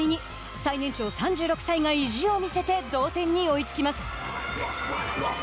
最年長３６歳が意地を見せて同点に追いつきます。